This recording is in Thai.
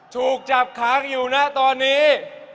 ถูกจับค้างอยู่นะตอนนี้